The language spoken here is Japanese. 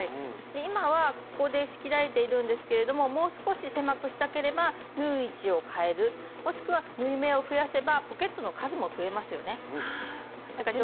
今はここで仕切られているんですけどもう少し狭くしたければ縫う位置を変えるもしくは縫い目を増やせばポケットの数も増えますよね。